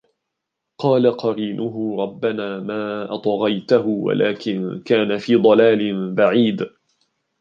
قال قرينه ربنا ما أطغيته ولكن كان في ضلال بعيد